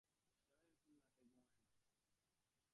সেও এখন রাতে ঘুমায় না।